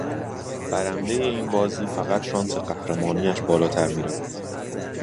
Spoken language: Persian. برنده این بازی فقط شانس قهرمانی اش بالاتر می رود.